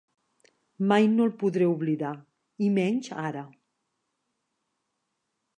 Mai no el podré oblidar, i menys ara.